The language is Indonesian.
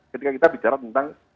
ketika kita bicara tentang